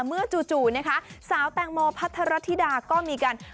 เมื่อจู่สาวแตงโมพัทรธรัฐธิดาก็มีกัน